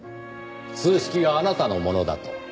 数式があなたのものだと。